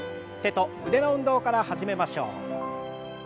手と腕の運動から始めましょう。